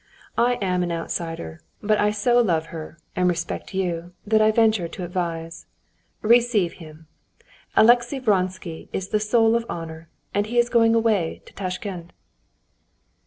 "I am an outsider, but I so love her and respect you that I venture to advise. Receive him. Alexey Vronsky is the soul of honor, and he is going away to Tashkend."